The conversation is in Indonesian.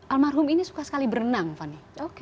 almarhum ini suka sekali berenang fani